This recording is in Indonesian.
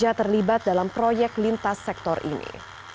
yang terlibat dalam proyek lintas sektor ini